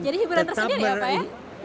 jadi hiburan tersendiri ya pak ya